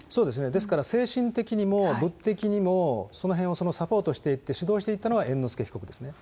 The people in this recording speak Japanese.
ですから、精神的にも物的にも、そのへんをサポートしていって、主導していったのは猿之助被告ですね。